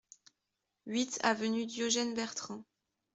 huit avenue Diogène Bertrand